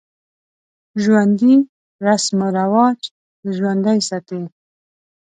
ژوندي رسم و رواج ژوندی ساتي